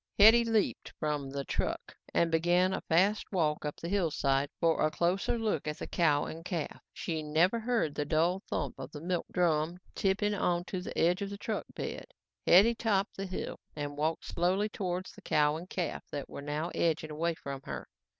Hetty leaped from the truck and began a fast walk up the hillside for a closer look at the cow and calf. She never heard the dull thump of the milk drum tipping onto the edge of the truck bed. Hetty topped the hill and walked slowly towards the cow and calf that were now edging away from her.